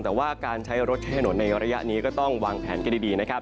แต่ว่าการใช้รถใช้ถนนในระยะนี้ก็ต้องวางแผนกันดีนะครับ